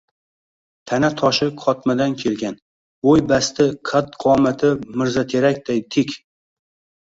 Tana-to‘shi qotmadan kelgan, bo‘y-basti, qad-qomati mirzaterakday tik